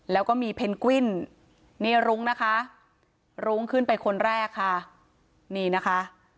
แล้วก็มีเพนกวิ้นนี่รุ้งนะคะรุ้งขึ้นไปคนแรกค่ะนี่นะคะ